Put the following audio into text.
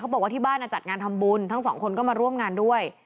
บอกว่าที่บ้านจัดงานทำบุญทั้งสองคนก็มาร่วมงานด้วย